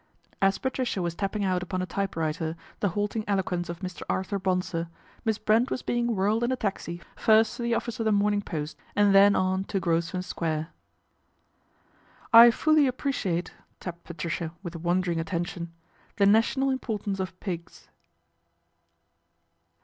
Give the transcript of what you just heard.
As Patricia was tapping out upon a typewriter the halting eloquence of Mr. Arthur Bonsor, Miss Brent was being whirled in a taxi first to the office of The Morning Post and then on. to Grosvenor Square. 11 1 fully appreciate," tapped Patricia with wandering attention, " the national importance of pigs."